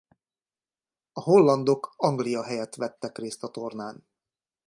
A hollandok Anglia helyett vettek részt a tornán.